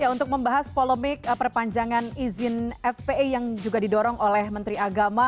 untuk membahas polemik perpanjangan izin fpi yang juga didorong oleh menteri agama